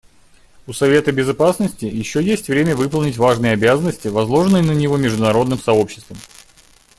У Совета Безопасности еще есть время выполнить важные обязанности, возложенные на него международным сообществом.